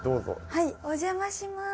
はいお邪魔します。